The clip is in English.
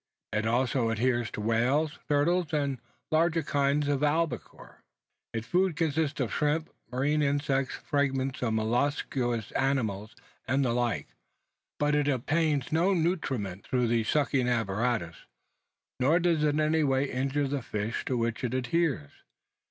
It also adheres to whales, turtles, and the larger kinds of albacore. Its food consists of shrimps, marine insects, fragments of molluscous animals, and the like; but it obtains no nutriment through the sucking apparatus, nor does it in any way injure the animal to which it adheres.